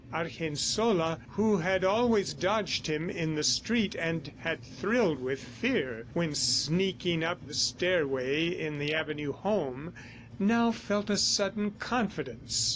Argensola, who had always dodged him in the street and had thrilled with fear when sneaking up the stairway in the avenue home, now felt a sudden confidence.